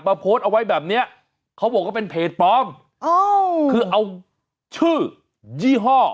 โพสต์เอาไว้แบบเนี้ยเขาบอกว่าเป็นเพจปลอมอ๋อคือเอาชื่อยี่ห้อ